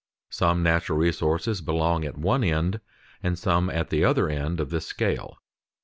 Some natural resources belong at one end, and some at the other end of this scale.